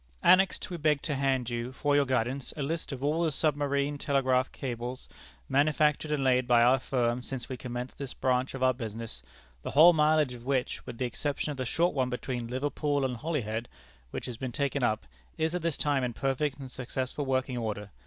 "Annexed we beg to hand you, for your guidance, a list of all the submarine telegraph cables manufactured and laid by our firm since we commenced this branch of our business, the whole mileage of which, with the exception of the short one between Liverpool and Holyhead, which has been taken up, is at this time in perfect and successful working order.